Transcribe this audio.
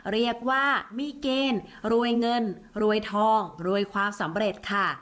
เรียกว่ามีเกณฑ์รวยเงินรวยทองรวยความสำเร็จค่ะ